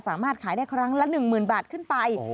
สามารถขายได้ครั้งละ๑๐๐๐บาทขึ้นไป